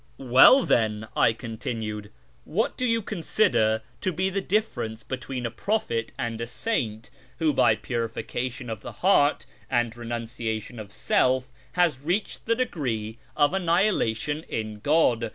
Well, then," I continued, " what do you consider to be the difference between a prophet and a saint who by purifica tion of the heart and renunciation of self has reached the degree of ' Annihilation in God